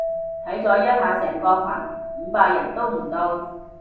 睇咗一下成個群，五百人都唔到